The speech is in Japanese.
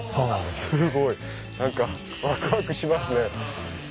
すごい何かワクワクしますね。